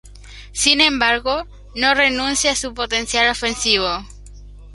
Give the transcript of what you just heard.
Sin embargo, no renuncia a su potencial ofensivo.